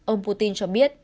ông putin cho biết